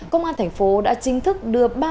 công an thành phố đã chính thức đưa